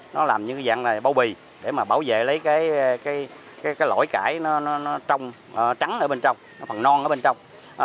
nó làm như cái dạng bau bì để mà bảo vệ lấy cái lỗi cải nó trắng ở bên trong phần non ở bên trong